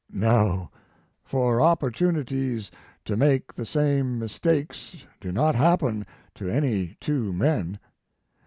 No for opportunities to make the same mistakes do not happen to any two men.